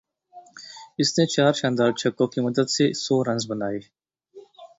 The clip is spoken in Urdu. اس نے چار شاندار چھکوں کی مدد سے سو رنز بنائے